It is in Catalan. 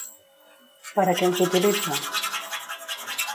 Per a què els utilitza?